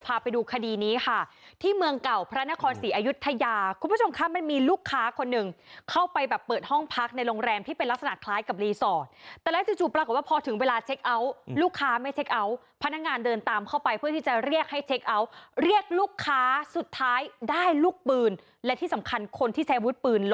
พาไปดูคดีนี้ค่ะที่เมืองเก่าพระนครศรีอายุทยาคุณผู้ชมคะมันมีลูกค้าคนหนึ่งเข้าไปแบบเปิดห้องพักในโรงแรมที่เป็นลักษณะคล้ายกับรีสอร์ทแต่แล้วจู่ปรากฏว่าพอถึงเวลาเช็คเอาท์ลูกค้าไม่เช็คเอาท์พนักงานเดินตามเข้าไปเพื่อที่จะเรียกให้เช็คเอาท์เรียกลูกค้าสุดท้ายได้ลูกปืนและที่สำคัญคนที่ใช้วุฒิปืนล